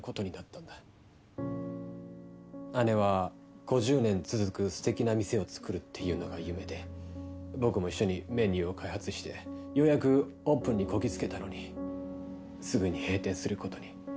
姉は５０年続く素敵な店をつくるっていうのが夢で僕も一緒にメニューを開発してようやくオープンにこぎつけたのにすぐに閉店する事に。